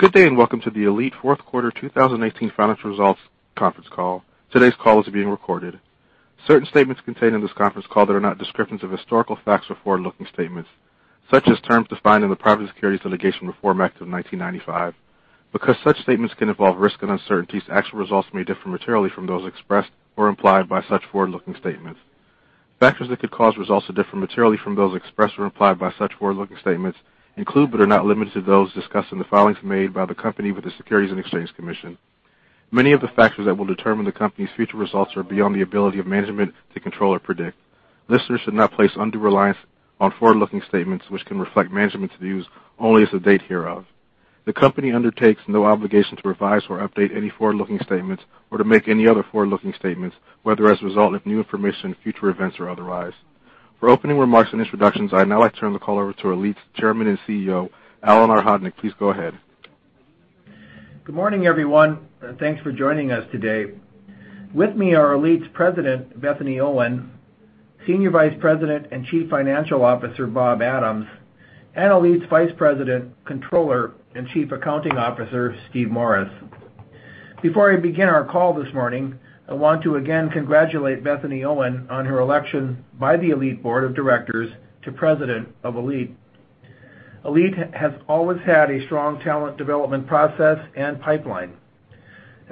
Good day, welcome to the ALLETE fourth quarter 2018 financial results conference call. Today's call is being recorded. Certain statements contained in this conference call that are not descriptive of historical facts are forward-looking statements, such as terms defined in the Private Securities Litigation Reform Act of 1995. Because such statements can involve risks and uncertainties, actual results may differ materially from those expressed or implied by such forward-looking statements. Factors that could cause results to differ materially from those expressed or implied by such forward-looking statements include, but are not limited to, those discussed in the filings made by the company with the Securities and Exchange Commission. Many of the factors that will determine the company's future results are beyond the ability of management to control or predict. Listeners should not place undue reliance on forward-looking statements, which can reflect management's views only as of date hereof. The company undertakes no obligation to revise or update any forward-looking statements or to make any other forward-looking statements, whether as a result of new information, future events, or otherwise. For opening remarks and introductions, I'd now like to turn the call over to ALLETE's Chairman and CEO, Al Hodnik. Please go ahead. Good morning, everyone, thanks for joining us today. With me are ALLETE's President, Bethany Owen; Senior Vice President and Chief Financial Officer, Bob Adams; and ALLETE's Vice President, Controller, and Chief Accounting Officer, Steve Morris. Before I begin our call this morning, I want to again congratulate Bethany Owen on her election by the ALLETE Board of Directors to President of ALLETE. ALLETE has always had a strong talent development process and pipeline.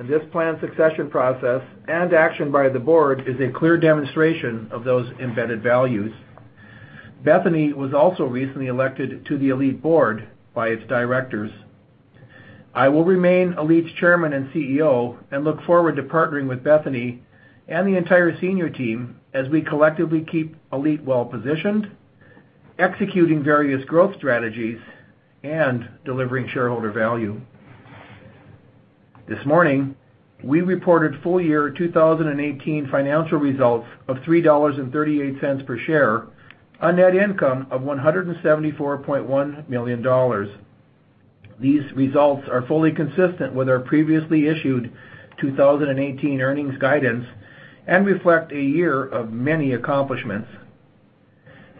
This planned succession process and action by the board is a clear demonstration of those embedded values. Bethany was also recently elected to the ALLETE Board by its directors. I will remain ALLETE's Chairman and CEO and look forward to partnering with Bethany and the entire senior team as we collectively keep ALLETE well-positioned, executing various growth strategies, and delivering shareholder value. This morning, we reported full year 2018 financial results of $3.38 per share on net income of $174.1 million. These results are fully consistent with our previously issued 2018 earnings guidance and reflect a year of many accomplishments.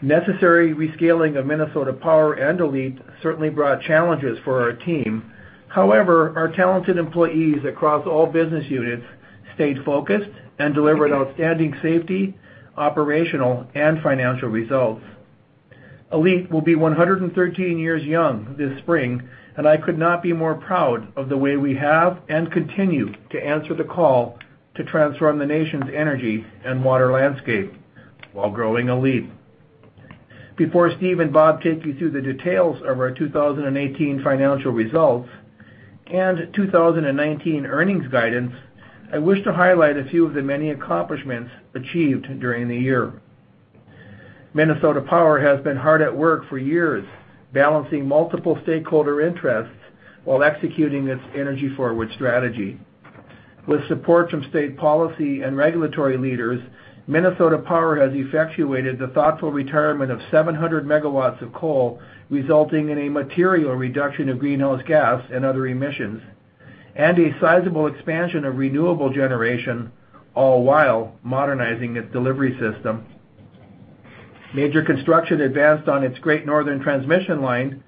Necessary rescaling of Minnesota Power and ALLETE certainly brought challenges for our team. However, our talented employees across all business units stayed focused and delivered outstanding safety, operational, and financial results. ALLETE will be 113 years young this spring, and I could not be more proud of the way we have and continue to answer the call to transform the nation's energy and water landscape while growing ALLETE. Before Steve and Bob take you through the details of our 2018 financial results and 2019 earnings guidance, I wish to highlight a few of the many accomplishments achieved during the year. Minnesota Power has been hard at work for years, balancing multiple stakeholder interests while executing its EnergyForward strategy. With support from state policy and regulatory leaders, Minnesota Power has effectuated the thoughtful retirement of 700 MW of coal, resulting in a material reduction of greenhouse gas and other emissions, and a sizable expansion of renewable generation, all while modernizing its delivery system. Major construction advanced on its Great Northern Transmission Line,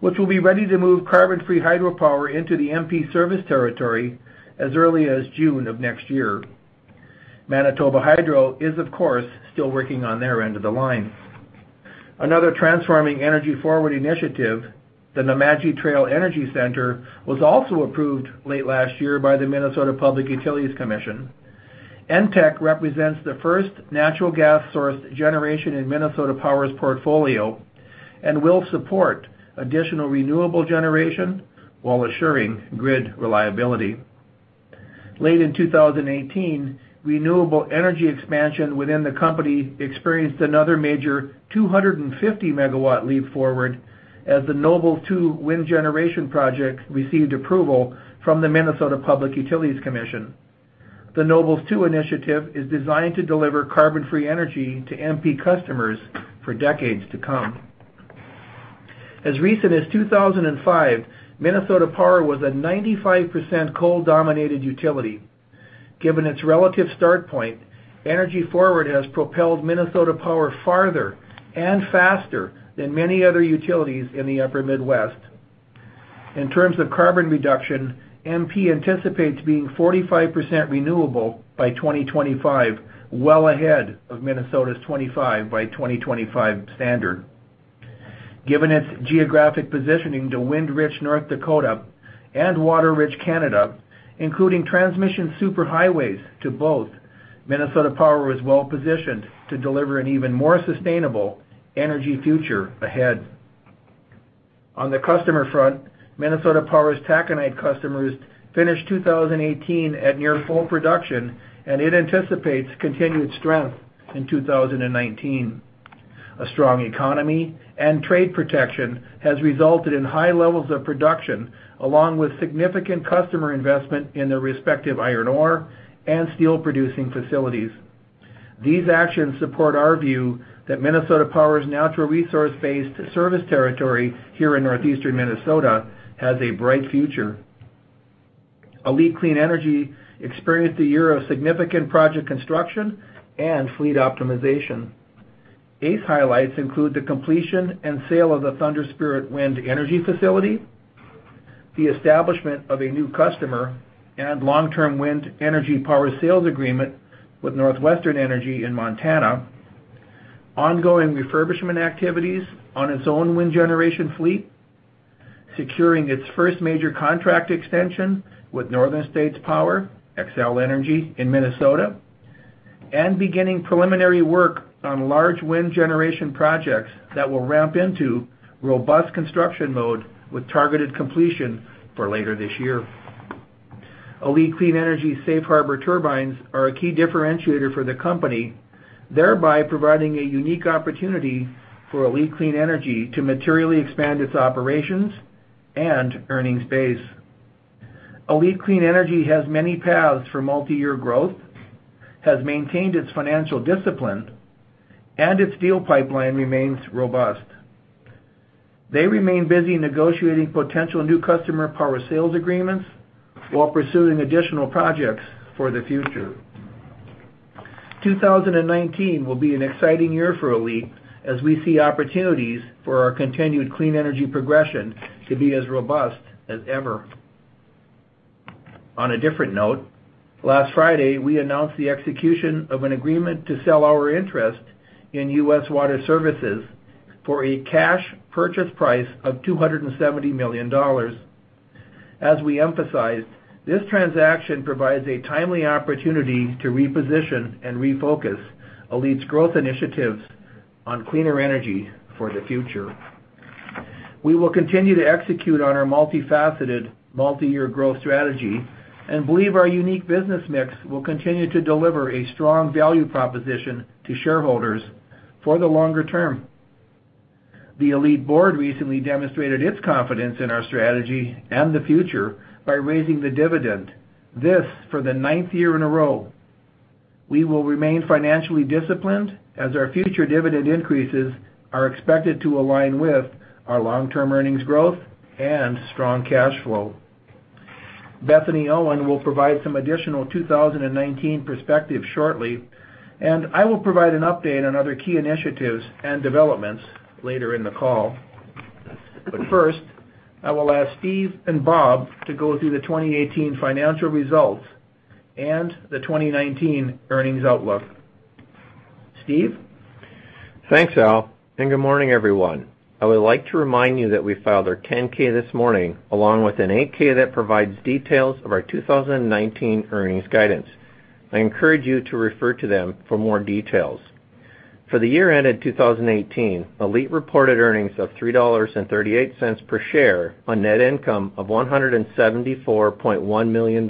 which will be ready to move carbon-free hydropower into the MP service territory as early as June of next year. Manitoba Hydro is, of course, still working on their end of the line. Another transforming EnergyForward initiative, the Nemadji Trail Energy Center, was also approved late last year by the Minnesota Public Utilities Commission. NTEC represents the first natural gas source generation in Minnesota Power's portfolio and will support additional renewable generation while assuring grid reliability. Late in 2018, renewable energy expansion within the company experienced another major 250 MW leap forward as the Nobles 2 Wind Project received approval from the Minnesota Public Utilities Commission. The Nobles 2 initiative is designed to deliver carbon-free energy to MP customers for decades to come. As recent as 2005, Minnesota Power was a 95% coal-dominated utility. Given its relative start point, EnergyForward has propelled Minnesota Power farther and faster than many other utilities in the upper Midwest. In terms of carbon reduction, MP anticipates being 45% renewable by 2025, well ahead of Minnesota's 25% by 2025 standard. Given its geographic positioning to wind-rich North Dakota and water-rich Canada, including transmission superhighways to both, Minnesota Power is well-positioned to deliver an even more sustainable energy future ahead. On the customer front, Minnesota Power's taconite customers finished 2018 at near full production, and it anticipates continued strength in 2019. A strong economy and trade protection has resulted in high levels of production, along with significant customer investment in their respective iron ore and steel-producing facilities. These actions support our view that Minnesota Power's natural resource-based service territory here in northeastern Minnesota has a bright future. ALLETE Clean Energy experienced a year of significant project construction and fleet optimization. ACE highlights include the completion and sale of the Thunder Spirit Wind, the establishment of a new customer, and long-term wind energy power sales agreement with NorthWestern Energy in Montana, ongoing refurbishment activities on its own wind generation fleet, securing its first major contract extension with Northern States Power Company, Xcel Energy in Minnesota, and beginning preliminary work on large wind generation projects that will ramp into robust construction mode with targeted completion for later this year. ALLETE Clean Energy safe harbor turbines are a key differentiator for the company, thereby providing a unique opportunity for ALLETE Clean Energy to materially expand its operations and earnings base. ALLETE Clean Energy has many paths for multi-year growth, has maintained its financial discipline, and its deal pipeline remains robust. They remain busy negotiating potential new customer power sales agreements while pursuing additional projects for the future. 2019 will be an exciting year for ALLETE as we see opportunities for our continued clean energy progression to be as robust as ever. On a different note, last Friday, we announced the execution of an agreement to sell our interest in U.S. Water Services Corporation for a cash purchase price of $270 million. As we emphasized, this transaction provides a timely opportunity to reposition and refocus ALLETE's growth initiatives on cleaner energy for the future. We will continue to execute on our multifaceted, multi-year growth strategy and believe our unique business mix will continue to deliver a strong value proposition to shareholders for the longer term. The ALLETE board recently demonstrated its confidence in our strategy and the future by raising the dividend. This, for the ninth year in a row. We will remain financially disciplined as our future dividend increases are expected to align with our long-term earnings growth and strong cash flow. Bethany Owen will provide some additional 2019 perspective shortly, and I will provide an update on other key initiatives and developments later in the call. First, I will ask Steve and Bob to go through the 2018 financial results and the 2019 earnings outlook. Steve? Thanks, Al, and good morning, everyone. I would like to remind you that we filed our 10-K this morning, along with an 8-K that provides details of our 2019 earnings guidance. I encourage you to refer to them for more details. For the year ended 2018, ALLETE reported earnings of $3.38 per share on net income of $174.1 million.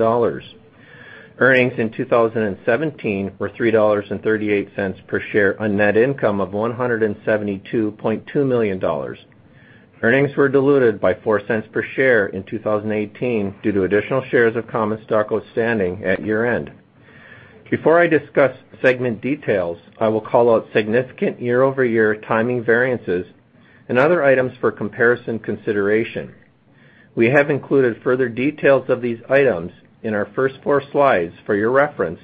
Earnings in 2017 were $3.38 per share on net income of $172.2 million. Earnings were diluted by $0.04 per share in 2018 due to additional shares of common stock outstanding at year-end. Before I discuss segment details, I will call out significant year-over-year timing variances and other items for comparison consideration. We have included further details of these items in our first four slides for your reference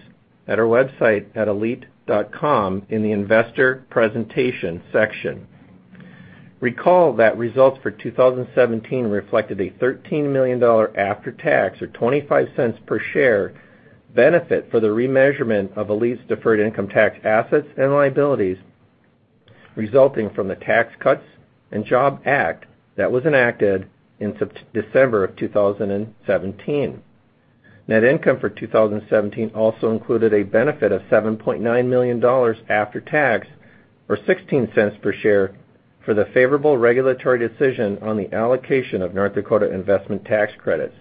at our website at allete.com in the investor presentation section. Recall that results for 2017 reflected a $13 million after-tax, or $0.25 per share benefit for the remeasurement of ALLETE's deferred income tax assets and liabilities resulting from the Tax Cuts and Jobs Act that was enacted in December of 2017. Net income for 2017 also included a benefit of $7.9 million after tax, or $0.16 per share, for the favorable regulatory decision on the allocation of North Dakota investment tax credits.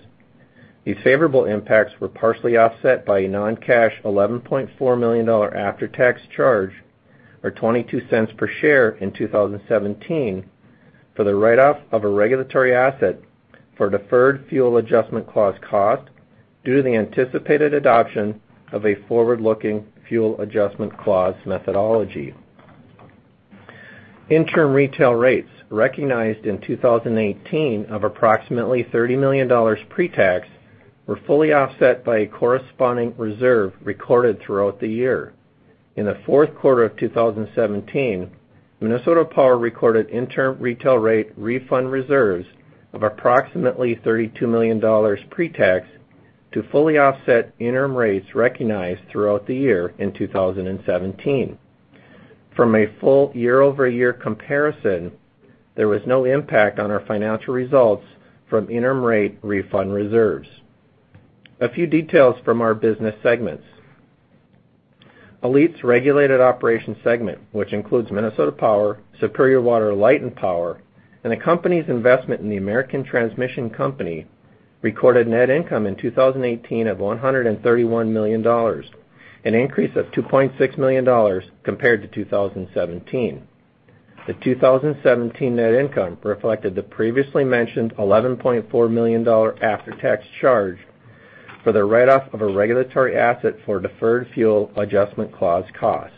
These favorable impacts were partially offset by a non-cash $11.4 million after-tax charge, or $0.22 per share in 2017 for the write-off of a regulatory asset for deferred fuel adjustment clause cost due to the anticipated adoption of a forward-looking fuel adjustment clause methodology. Interim retail rates recognized in 2018 of approximately $30 million pre-tax were fully offset by a corresponding reserve recorded throughout the year. In the fourth quarter of 2017, Minnesota Power recorded interim retail rate refund reserves of approximately $32 million pre-tax to fully offset interim rates recognized throughout the year in 2017. From a full year-over-year comparison, there was no impact on our financial results from interim rate refund reserves. A few details from our business segments. ALLETE's regulated operations segment, which includes Minnesota Power, Superior Water, Light and Power, and the company's investment in the American Transmission Company, recorded net income in 2018 of $131 million, an increase of $2.6 million compared to 2017. The 2017 net income reflected the previously mentioned $11.4 million after-tax charge for the write-off of a regulatory asset for deferred fuel adjustment clause cost.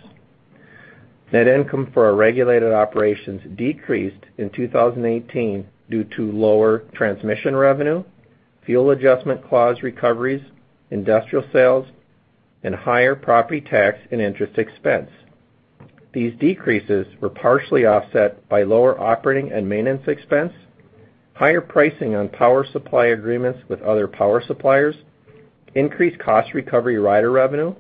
Net income for our regulated operations decreased in 2018 due to lower transmission revenue, fuel adjustment clause recoveries, industrial sales, and higher property tax and interest expense. These decreases were partially offset by lower operating and maintenance expense, higher pricing on power supply agreements with other power suppliers, increased cost recovery rider revenue,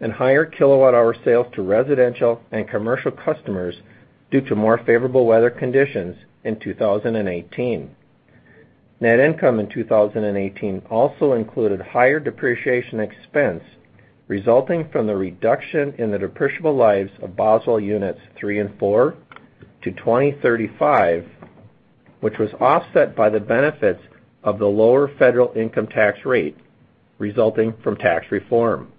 and higher kilowatt-hour sales to residential and commercial customers due to more favorable weather conditions in 2018. Net income in 2018 also included higher depreciation expense resulting from the reduction in the depreciable lives of Boswell Units 3 and 4 to 2035, which was offset by the benefits of the lower federal income tax rate resulting from tax reform.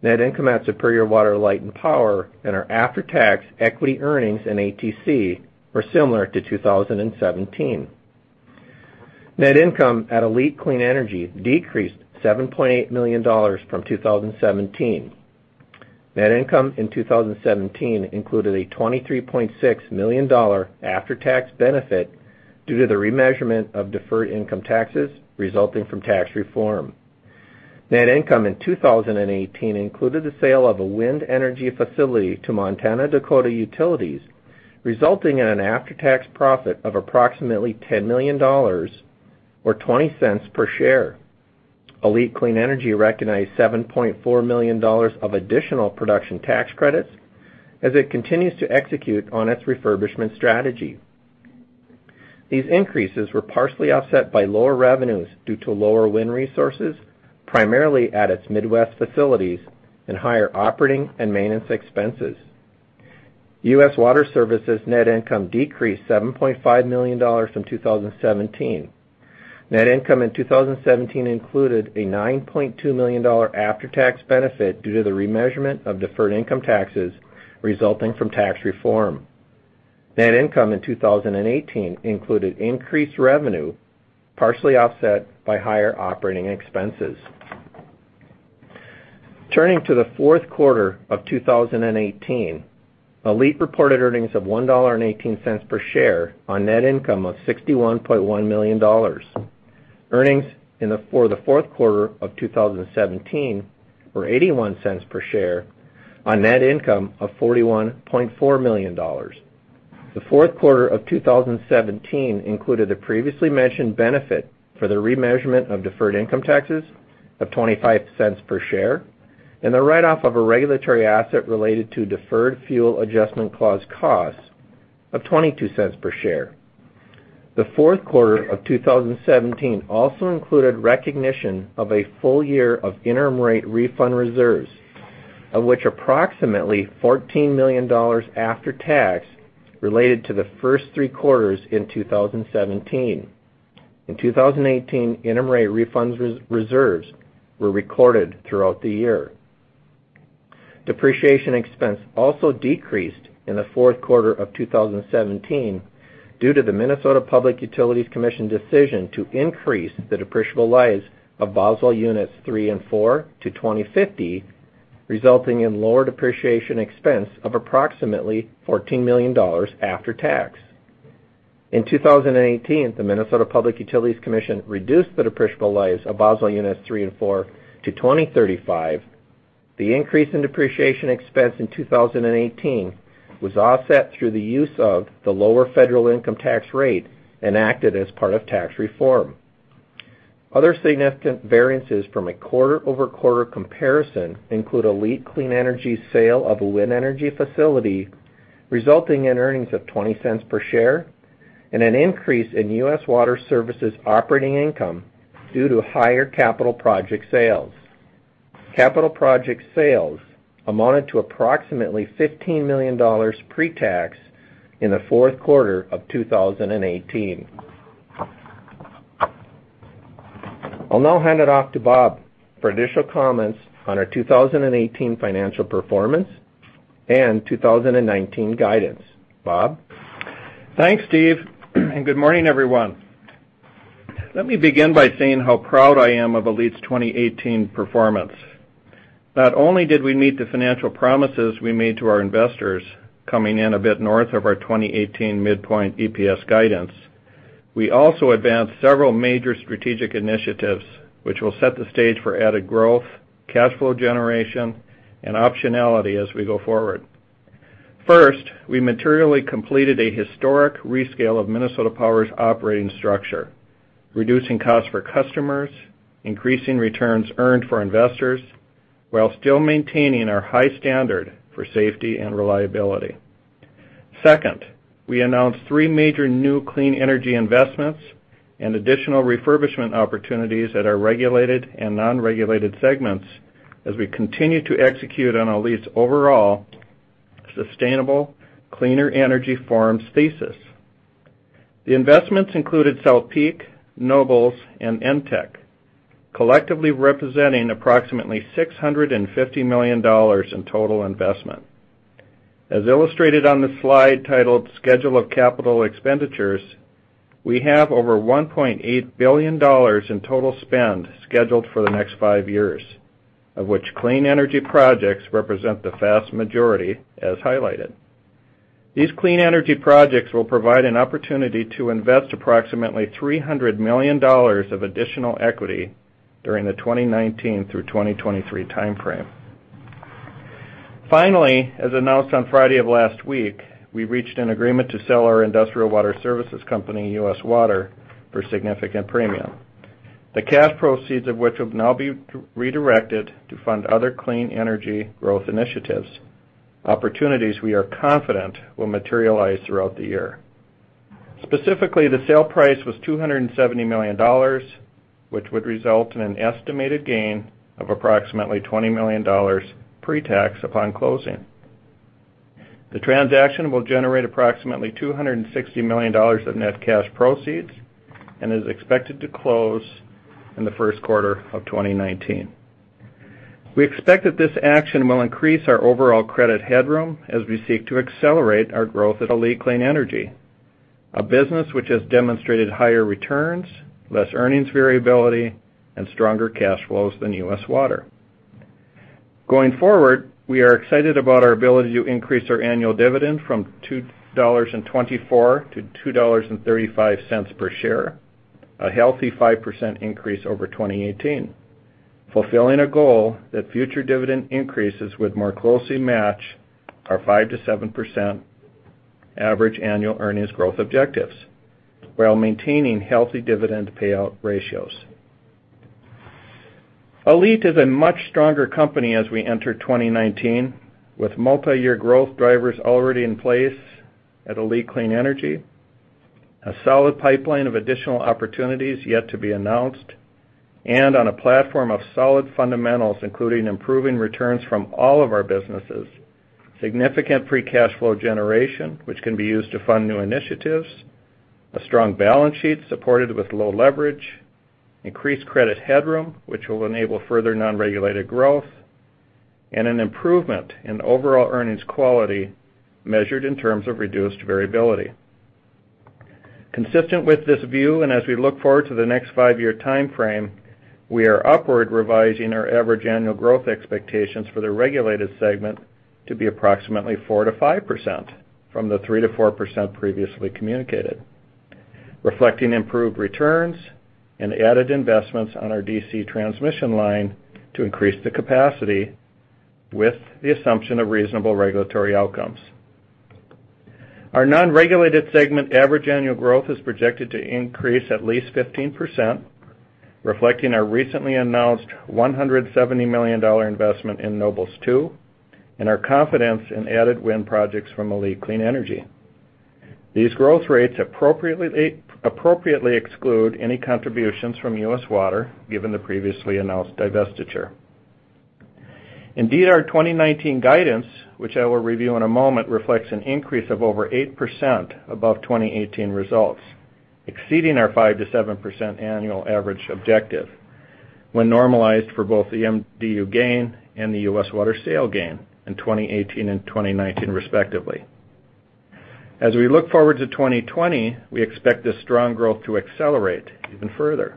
Net income at Superior Water, Light and Power and our after-tax equity earnings in ATC were similar to 2017. Net income at ALLETE Clean Energy decreased $7.8 million from 2017. Net income in 2017 included a $23.6 million after-tax benefit due to the remeasurement of deferred income taxes resulting from tax reform. Net income in 2018 included the sale of a wind energy facility to Montana-Dakota Utilities, resulting in an after-tax profit of approximately $10 million, or $0.20 per share. ALLETE Clean Energy recognized $7.4 million of additional production tax credits as it continues to execute on its refurbishment strategy. These increases were partially offset by lower revenues due to lower wind resources, primarily at its Midwest facilities and higher operating and maintenance expenses. U.S. Water Services net income decreased $7.5 million from 2017. Net income in 2017 included a $9.2 million after-tax benefit due to the remeasurement of deferred income taxes resulting from tax reform. Net income in 2018 included increased revenue, partially offset by higher operating expenses. Turning to the fourth quarter of 2018, ALLETE reported earnings of $1.18 per share on net income of $61.1 million. Earnings for the fourth quarter of 2017 were $0.81 per share on net income of $41.4 million. The fourth quarter of 2017 included a previously mentioned benefit for the remeasurement of deferred income taxes of $0.25 per share, and the write-off of a regulatory asset related to deferred fuel adjustment clause costs of $0.22 per share. The fourth quarter of 2017 also included recognition of a full year of interim rate refund reserves, of which approximately $14 million after tax related to the first three quarters in 2017. In 2018, interim rate refunds reserves were recorded throughout the year. Depreciation expense also decreased in the fourth quarter of 2017 due to the Minnesota Public Utilities Commission decision to increase the depreciable lives of Boswell Units 3 and 4 to 2050, resulting in lower depreciation expense of approximately $14 million after tax. In 2018, the Minnesota Public Utilities Commission reduced the depreciable lives of Boswell Units 3 and 4 to 2035. The increase in depreciation expense in 2018 was offset through the use of the lower federal income tax rate enacted as part of tax reform. Other significant variances from a quarter-over-quarter comparison include ALLETE Clean Energy's sale of a wind energy facility, resulting in earnings of $0.20 per share, and an increase in U.S. Water Services operating income due to higher capital project sales. Capital project sales amounted to approximately $15 million pre-tax in the fourth quarter of 2018. I'll now hand it off to Bob for additional comments on our 2018 financial performance and 2019 guidance. Bob? Thanks, Steve, good morning, everyone. Let me begin by saying how proud I am of ALLETE's 2018 performance. Not only did we meet the financial promises we made to our investors, coming in a bit north of our 2018 midpoint EPS guidance, we also advanced several major strategic initiatives, which will set the stage for added growth, cash flow generation, and optionality as we go forward. First, we materially completed a historic rescale of Minnesota Power's operating structure, reducing costs for customers, increasing returns earned for investors, while still maintaining our high standard for safety and reliability. Second, we announced three major new clean energy investments and additional refurbishment opportunities at our regulated and non-regulated segments as we continue to execute on ALLETE's overall sustainable, cleaner energy forum thesis. The investments included South Peak, Nobles, and NTEC, collectively representing approximately $650 million in total investment. As illustrated on the slide titled Schedule of Capital Expenditures. We have over $1.8 billion in total spend scheduled for the next five years, of which clean energy projects represent the vast majority, as highlighted. These clean energy projects will provide an opportunity to invest approximately $300 million of additional equity during the 2019 through 2023 timeframe. Finally, as announced on Friday of last week, we reached an agreement to sell our industrial water services company, U.S. Water, for a significant premium. The cash proceeds of which will now be redirected to fund other clean energy growth initiatives, opportunities we are confident will materialize throughout the year. Specifically, the sale price was $270 million, which would result in an estimated gain of approximately $20 million pre-tax upon closing. The transaction will generate approximately $260 million of net cash proceeds and is expected to close in the first quarter of 2019. We expect that this action will increase our overall credit headroom as we seek to accelerate our growth at ALLETE Clean Energy, a business which has demonstrated higher returns, less earnings variability, and stronger cash flows than U.S. Water. Going forward, we are excited about our ability to increase our annual dividend from $2.24 to $2.35 per share, a healthy 5% increase over 2018, fulfilling a goal that future dividend increases would more closely match our 5%-7% average annual earnings growth objectives, while maintaining healthy dividend payout ratios. ALLETE is a much stronger company as we enter 2019, with multi-year growth drivers already in place at ALLETE Clean Energy, a solid pipeline of additional opportunities yet to be announced, on a platform of solid fundamentals, including improving returns from all of our businesses, significant free cash flow generation, which can be used to fund new initiatives, a strong balance sheet supported with low leverage, increased credit headroom, which will enable further non-regulated growth, an improvement in overall earnings quality measured in terms of reduced variability. Consistent with this view, as we look forward to the next five-year timeframe, we are upward revising our average annual growth expectations for the regulated segment to be approximately 4%-5% from the 3%-4% previously communicated, reflecting improved returns and added investments on our DC transmission line to increase the capacity with the assumption of reasonable regulatory outcomes. Our non-regulated segment average annual growth is projected to increase at least 15%, reflecting our recently announced $170 million investment in Nobles 2 and our confidence in added wind projects from ALLETE Clean Energy. These growth rates appropriately exclude any contributions from U.S. Water, given the previously announced divestiture. Indeed, our 2019 guidance, which I will review in a moment, reflects an increase of over 8% above 2018 results, exceeding our 5%-7% annual average objective when normalized for both the MDU gain and the U.S. Water sale gain in 2018 and 2019 respectively. As we look forward to 2020, we expect this strong growth to accelerate even further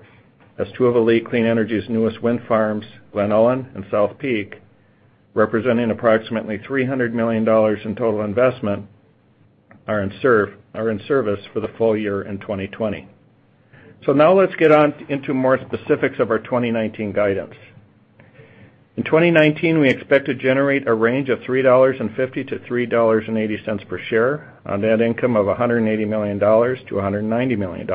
as two of ALLETE Clean Energy's newest wind farms, Glen Ullin and South Peak, representing approximately $300 million in total investment are in service for the full year in 2020. Now let's get into more specifics of our 2019 guidance. In 2019, we expect to generate a range of $3.50-$3.80 per share on net income of $180 million-$190 million,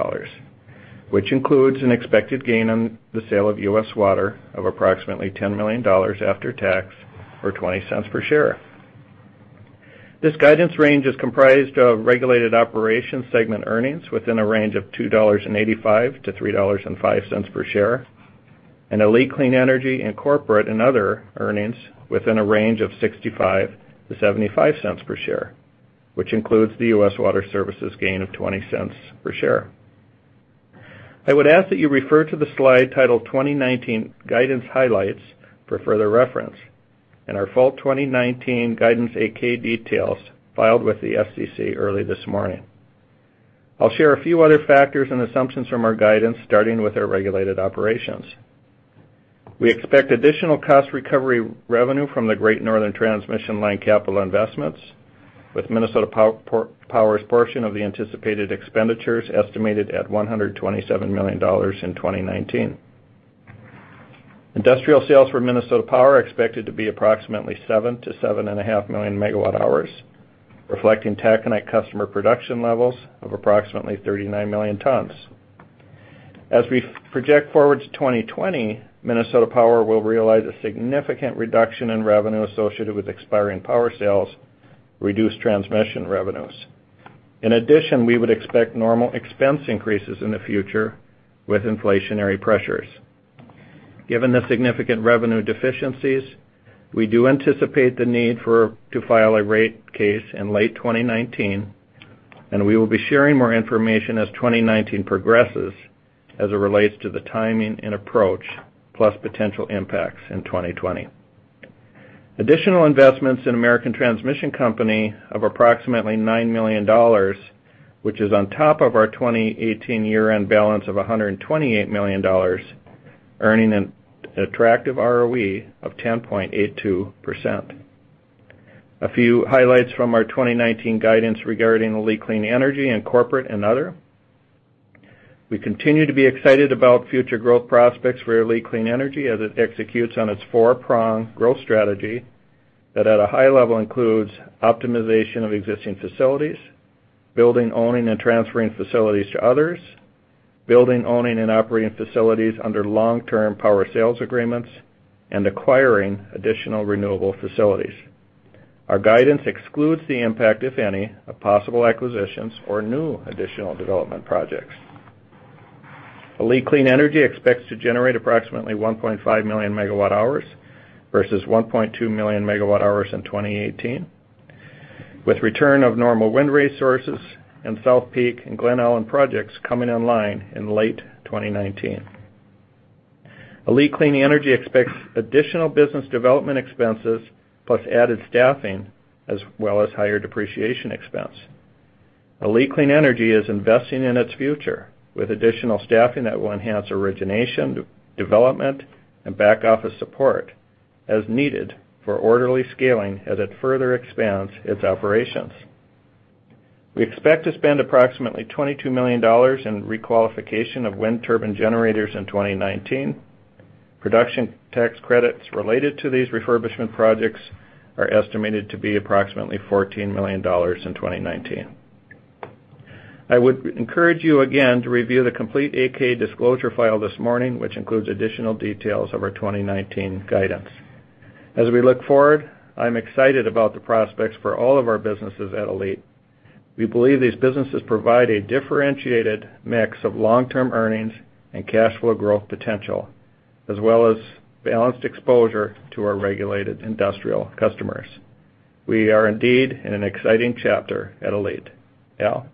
which includes an expected gain on the sale of U.S. Water of approximately $10 million after tax or $0.20 per share. This guidance range is comprised of regulated operation segment earnings within a range of $2.85-$3.05 per share, ALLETE Clean Energy and corporate and other earnings within a range of $0.65-$0.75 per share, which includes the U.S. Water Services gain of $0.20 per share. I would ask that you refer to the slide titled "2019 Guidance Highlights" for further reference and our fall 2019 guidance 8-K details filed with the SEC early this morning. I'll share a few other factors and assumptions from our guidance, starting with our regulated operations. We expect additional cost recovery revenue from the Great Northern Transmission Line capital investments, with Minnesota Power's portion of the anticipated expenditures estimated at $127 million in 2019. Industrial sales for Minnesota Power are expected to be approximately 7-7.5 million megawatt hours, reflecting taconite customer production levels of approximately 39 million tons. As we project forward to 2020, Minnesota Power will realize a significant reduction in revenue associated with expiring power sales, reduced transmission revenues. In addition, we would expect normal expense increases in the future with inflationary pressures. Given the significant revenue deficiencies, we do anticipate the need to file a rate case in late 2019. We will be sharing more information as 2019 progresses as it relates to the timing and approach plus potential impacts in 2020. Additional investments in American Transmission Company of approximately $9 million, which is on top of our 2018 year-end balance of $128 million, earning an attractive ROE of 10.82%. A few highlights from our 2019 guidance regarding ALLETE Clean Energy and corporate and other. We continue to be excited about future growth prospects for ALLETE Clean Energy as it executes on its four-pronged growth strategy, that at a high level includes optimization of existing facilities, building, owning, and transferring facilities to others, building, owning, and operating facilities under long-term power sales agreements, and acquiring additional renewable facilities. Our guidance excludes the impact, if any, of possible acquisitions or new additional development projects. with additional staffing that will enhance origination, development, and back office support as needed for orderly scaling as it further expands its operations. We expect to spend approximately $22 million in re-qualification of wind turbine generators in 2019. Production tax credits related to these refurbishment projects are estimated to be approximately $14 million in 2019. I would encourage you again to review the complete 8-K disclosure file this morning, which includes additional details of our 2019 guidance. As we look forward, I'm excited about the prospects for all of our businesses at ALLETE. We believe these businesses provide a differentiated mix of long-term earnings and cash flow growth potential, as well as balanced exposure to our regulated industrial customers. We are indeed in an exciting chapter at ALLETE. Al?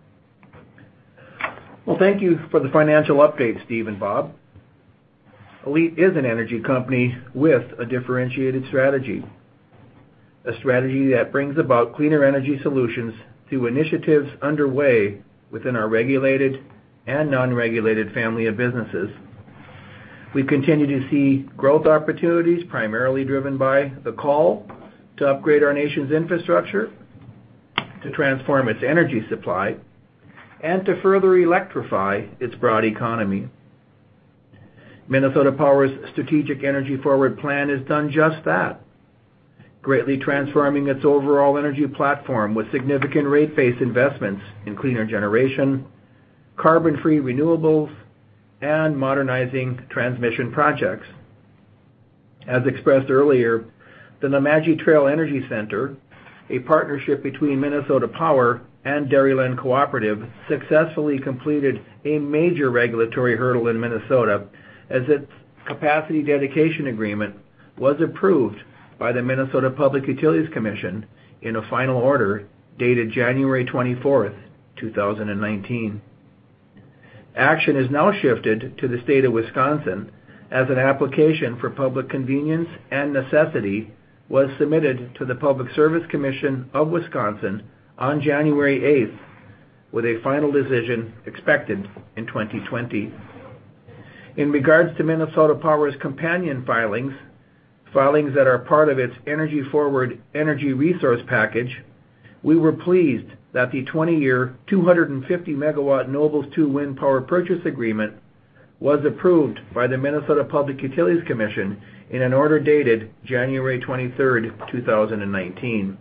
Action has now shifted to the state of Wisconsin as an application for public convenience and necessity was submitted to the Public Service Commission of Wisconsin on January 8th, with a final decision expected in 2020. In regards to Minnesota Power's companion filings that are part of its EnergyForward energy resource package, we were pleased that the 20-year, 250-megawatt Nobles 2 Wind Power Purchase Agreement was approved by the Minnesota Public Utilities Commission in an order dated January 23rd, 2019.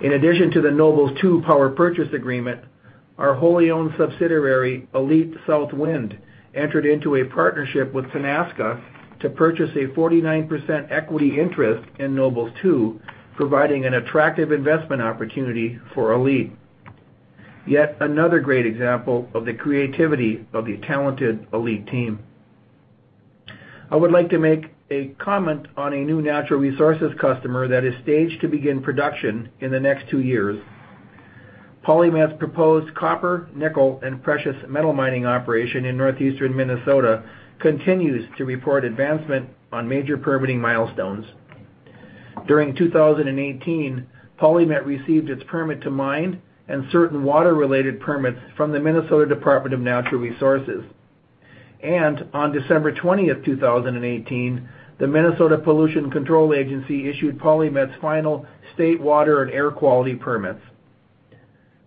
In addition to the Nobles 2 Power Purchase Agreement, our wholly owned subsidiary, ALLETE South Wind, entered into a partnership with Tenaska to purchase a 49% equity interest in Nobles 2, providing an attractive investment opportunity for ALLETE. Yet another great example of the creativity of the talented ALLETE team. I would like to make a comment on a new natural resources customer that is staged to begin production in the next two years. PolyMet's proposed copper, nickel, and precious metal mining operation in northeastern Minnesota continues to report advancement on major permitting milestones. During 2018, PolyMet received its permit to mine and certain water-related permits from the Minnesota Department of Natural Resources. On December 20th, 2018, the Minnesota Pollution Control Agency issued PolyMet's final state water and air quality permits.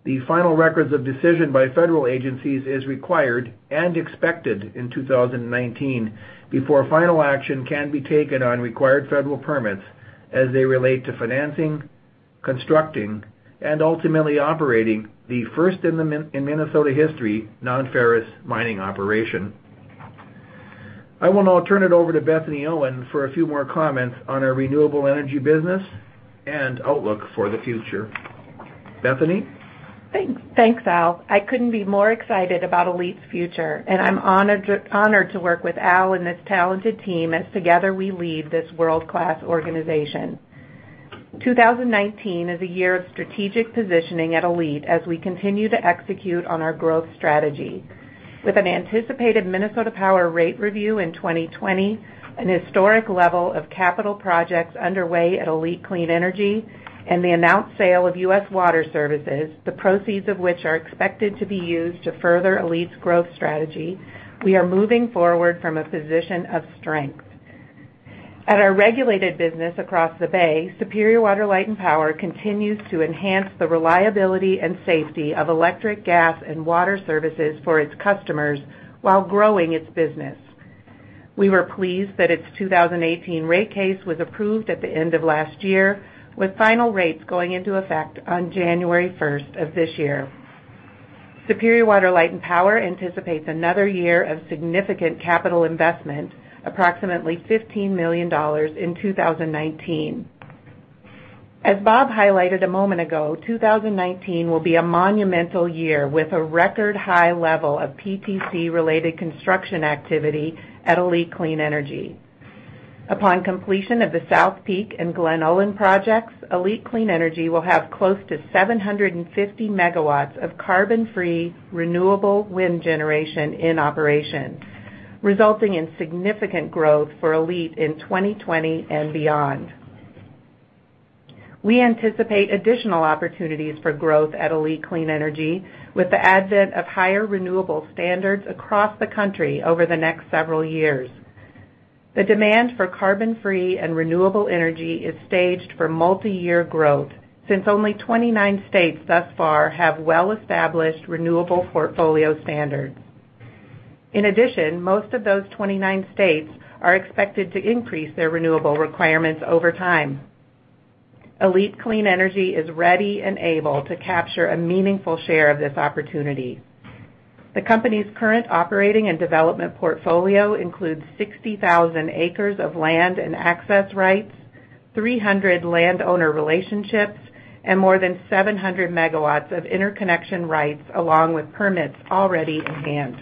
The final records of decision by federal agencies is required and expected in 2019 before final action can be taken on required federal permits as they relate to financing, constructing, and ultimately operating the first in Minnesota history non-ferrous mining operation. I will now turn it over to Bethany Owen for a few more comments on our renewable energy business and outlook for the future. Bethany? Thanks, Al. I couldn't be more excited about ALLETE's future, and I'm honored to work with Al and this talented team as together we lead this world-class organization. 2019 is a year of strategic positioning at ALLETE as we continue to execute on our growth strategy. With an anticipated Minnesota Power rate review in 2020, an historic level of capital projects underway at ALLETE Clean Energy, and the announced sale of U.S. Water Services, the proceeds of which are expected to be used to further ALLETE's growth strategy, we are moving forward from a position of strength. At our regulated business across the bay, Superior Water, Light and Power continues to enhance the reliability and safety of electric, gas, and water services for its customers while growing its business. We were pleased that its 2018 rate case was approved at the end of last year, with final rates going into effect on January 1st of this year. Superior Water, Light and Power anticipates another year of significant capital investment, approximately $15 million in 2019. As Bob highlighted a moment ago, 2019 will be a monumental year with a record-high level of PTC-related construction activity at ALLETE Clean Energy. Upon completion of the South Peak and Glen Ullin projects, ALLETE Clean Energy will have close to 750 megawatts of carbon-free, renewable wind generation in operation, resulting in significant growth for ALLETE in 2023 and beyond. We anticipate additional opportunities for growth at ALLETE Clean Energy with the advent of higher renewable standards across the country over the next several years. The demand for carbon-free and renewable energy is staged for multiyear growth since only 29 states thus far have well-established renewable portfolio standards. In addition, most of those 29 states are expected to increase their renewable requirements over time. ALLETE Clean Energy is ready and able to capture a meaningful share of this opportunity. The company's current operating and development portfolio includes 60,000 acres of land and access rights, 300 landowner relationships, and more than 700 megawatts of interconnection rights, along with permits already in hand.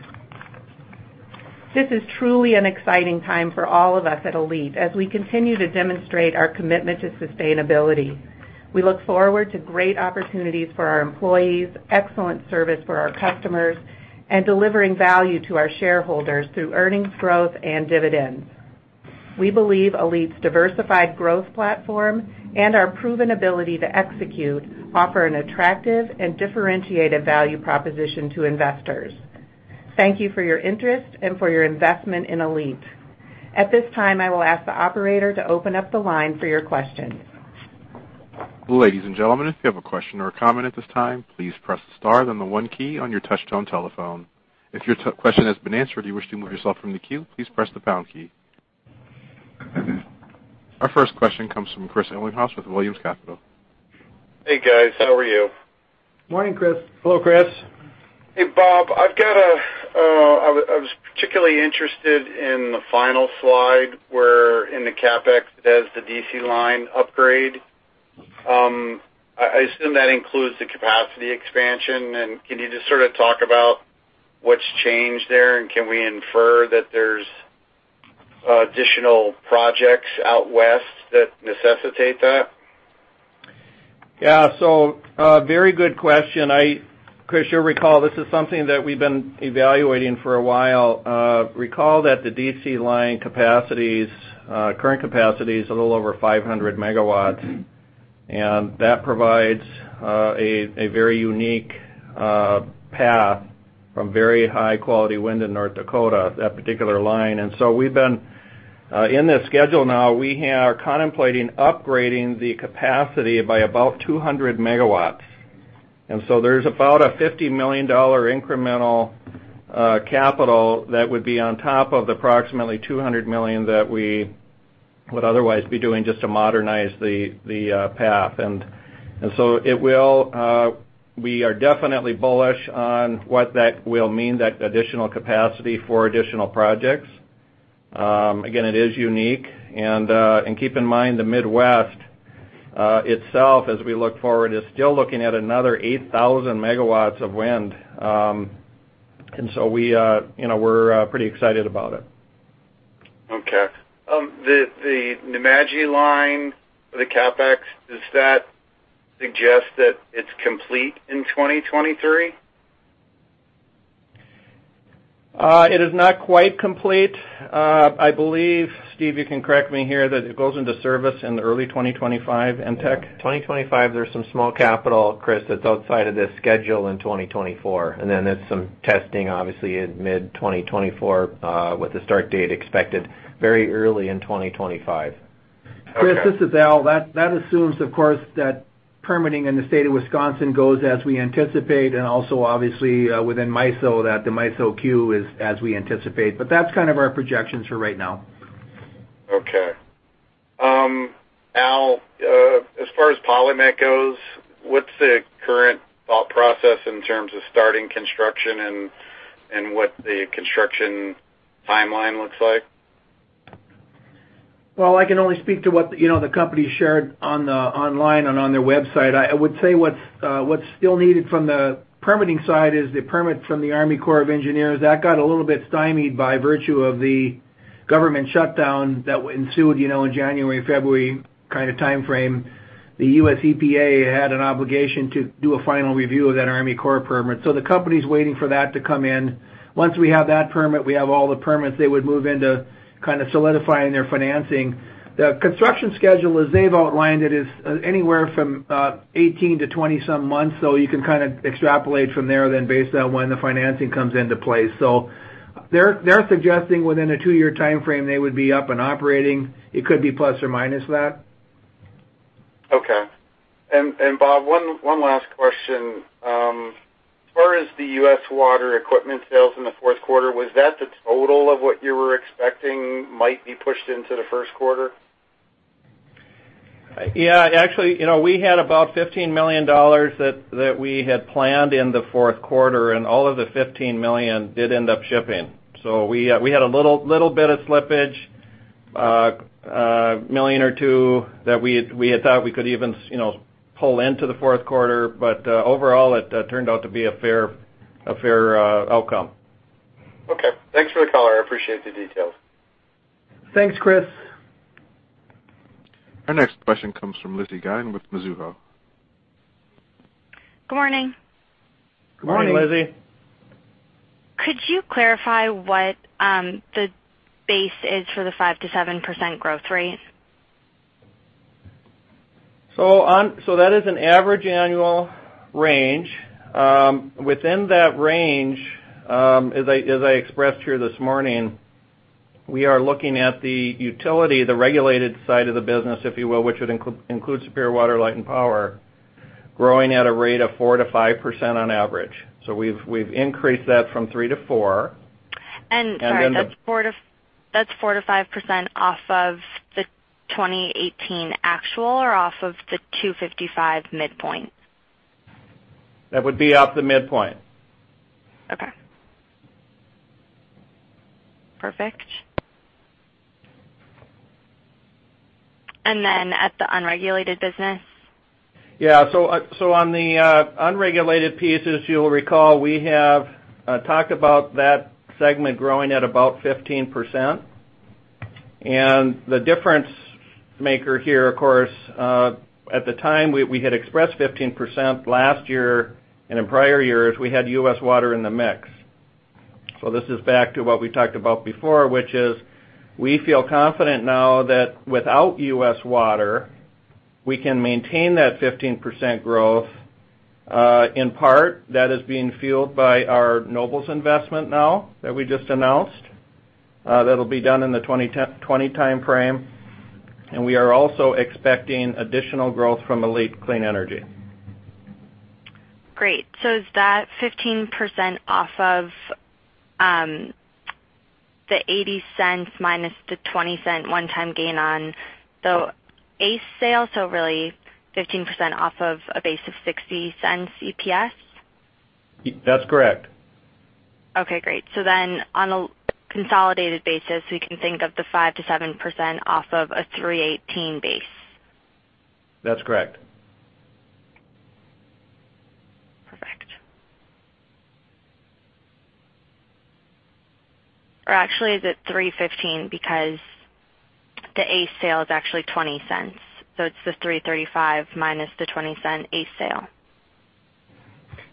This is truly an exciting time for all of us at ALLETE as we continue to demonstrate our commitment to sustainability. We look forward to great opportunities for our employees, excellent service for our customers, and delivering value to our shareholders through earnings growth and dividends. We believe ALLETE's diversified growth platform and our proven ability to execute offer an attractive and differentiated value proposition to investors. Thank you for your interest and for your investment in ALLETE. At this time, I will ask the operator to open up the line for your questions. Ladies and gentlemen, if you have a question or a comment at this time, please press star, then the one key on your touch-tone telephone. If your question has been answered or you wish to remove yourself from the queue, please press the pound key. Our first question comes from Chris Ellinghaus with Williams Capital. Hey, guys. How are you? Morning, Chris. Hello, Chris. Hey, Bob. I was particularly interested in the final slide where in the CapEx, it has the DC line upgrade. I assume that includes the capacity expansion. Can you just sort of talk about what's changed there, and can we infer that there's additional projects out west that necessitate that? Yeah. A very good question. Chris, you'll recall this is something that we've been evaluating for a while. Recall that the DC line current capacity is a little over 500 megawatts, and that provides a very unique path from very high-quality wind in North Dakota, that particular line. In this schedule now, we are contemplating upgrading the capacity by about 200 megawatts. There's about a $50 million incremental capital that would be on top of the approximately $200 million that we would otherwise be doing just to modernize the path. We are definitely bullish on what that will mean, that additional capacity for additional projects. Again, it is unique. Keep in mind, the Midwest itself, as we look forward, is still looking at another 8,000 megawatts of wind. We're pretty excited about it. Okay. The Nemadji line for the CapEx, does that suggest that it's complete in 2023? It is not quite complete. I believe, Steve, you can correct me here, that it goes into service in early 2025. 2025, there's some small capital, Chris, that's outside of this schedule in 2024. Then there's some testing, obviously, in mid-2024, with the start date expected very early in 2025. Okay. Chris, this is Al. That assumes, of course, that permitting in the state of Wisconsin goes as we anticipate, and also obviously within MISO, that the MISO queue is as we anticipate. That's kind of our projections for right now. Okay. Al, as far as PolyMet goes, what's the current thought process in terms of starting construction and what the construction timeline looks like? Well, I can only speak to what the company shared online and on their website. I would say what's still needed from the permitting side is the permit from the U.S. Army Corps of Engineers. That got a little bit stymied by virtue of the Government shutdown that ensued in January, February kind of timeframe. The USEPA had an obligation to do a final review of that Army Corps permit. The company's waiting for that to come in. Once we have that permit, we have all the permits, they would move into kind of solidifying their financing. The construction schedule, as they've outlined it, is anywhere from 18 to 20-some months. You can kind of extrapolate from there then based on when the financing comes into play. They're suggesting within a two-year timeframe, they would be up and operating. It could be plus or minus that. Okay. Bob, one last question. As far as the U.S. Water equipment sales in the fourth quarter, was that the total of what you were expecting might be pushed into the first quarter? Yeah, actually, we had about $15 million that we had planned in the fourth quarter, all of the $15 million did end up shipping. We had a little bit of slippage, a million or two that we had thought we could even pull into the fourth quarter. Overall, it turned out to be a fair outcome. Okay. Thanks for the color. I appreciate the details. Thanks, Chris. Our next question comes from Lizzie Guynn with Mizuho. Good morning. Good morning, Lizzie. Could you clarify what the base is for the 5%-7% growth rate? That is an average annual range. Within that range, as I expressed here this morning, we are looking at the utility, the regulated side of the business, if you will, which would include Superior Water, Light and Power, growing at a rate of 4%-5% on average. We've increased that from 3%-4%. Sorry, that's 4%-5% off of the 2018 actual or off of the $255 midpoint? That would be off the midpoint. Okay. Perfect. Then at the unregulated business? Yeah. On the unregulated pieces, you'll recall, we have talked about that segment growing at about 15%. The difference-maker here, of course, at the time we had expressed 15% last year and in prior years, we had U.S. Water in the mix. This is back to what we talked about before, which is we feel confident now that without U.S. Water, we can maintain that 15% growth. In part, that is being fueled by our Nobles investment now that we just announced. That'll be done in the 2020 timeframe, and we are also expecting additional growth from ALLETE Clean Energy. Great. Is that 15% off of the $0.80 minus the $0.20 one-time gain on the ACE sale? Really 15% off of a base of $0.60 EPS? That's correct. Okay, great. On a consolidated basis, we can think of the 5%-7% off of a $3.18 base. That's correct. Perfect. Actually, is it $3.15 because the ACE sale is actually $0.20. It's the $3.35 minus the $0.20 ACE sale.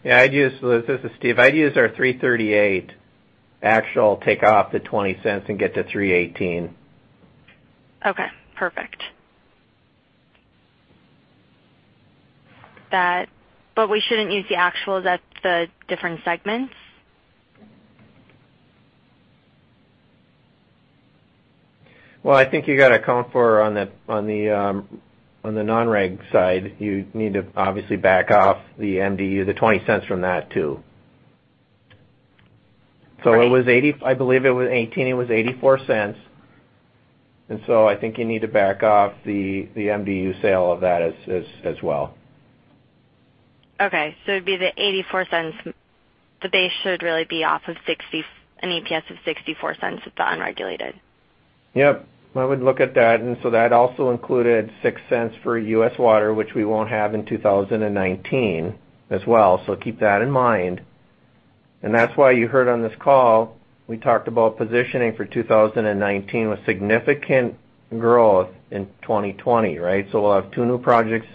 Yeah. This is Steve. I'd use our $3.38 actual, take off the $0.20, and get to $3.18. Okay, perfect. We shouldn't use the actuals at the different segments? Well, I think you got to account for on the non-reg side. You need to obviously back off the MDU, the $0.20 from that, too. I believe 2018, it was $0.84, I think you need to back off the MDU sale of that as well. Okay. It'd be the $0.84. The base should really be off of an EPS of $0.64 at the unregulated. Yep. I would look at that. That also included $0.06 for U.S. Water, which we won't have in 2019 as well. Keep that in mind. That's why you heard on this call, we talked about positioning for 2019 with significant growth in 2020, right? We'll have two new projects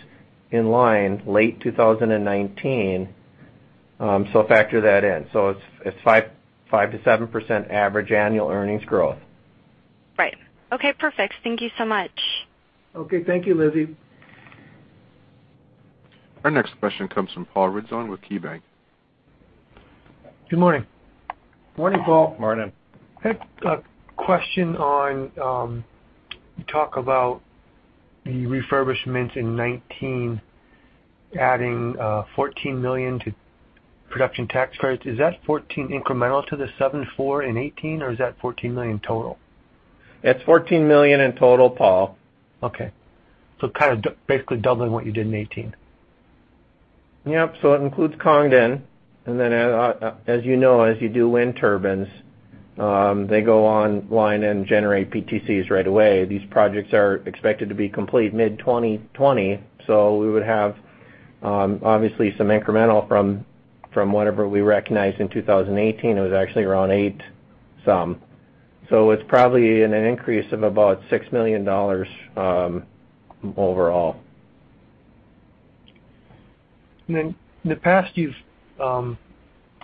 in line late 2019. Factor that in. It's 5%-7% average annual earnings growth. Right. Okay, perfect. Thank you so much. Okay. Thank you, Lizzie. Our next question comes from Paul Ridzon with KeyBank. Good morning. Morning, Paul. Morning. I had a question on, you talk about the refurbishments in 2019 adding $14 million to production tax credits. Is that $14 million incremental to the seven four in 2018, or is that $14 million total? It's $14 million in total, Paul. Okay. Kind of basically doubling what you did in 2018. Yep. It includes Condon, and then as you know, as you do wind turbines, they go online and generate PTCs right away. These projects are expected to be complete mid-2020, so we would have. Obviously, some incremental from whatever we recognized in 2018, it was actually around eight some. It's probably an increase of about $6 million overall. In the past, you've